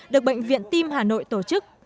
được bệnh viện tim hà nội tổ chức